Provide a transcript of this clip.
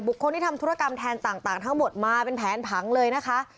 คนที่ทำธุรกรรมแทนต่างทั้งหมดมาเป็นแผนผังเลยนะคะ